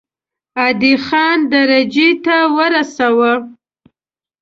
عادي خان درجې ته ورساوه.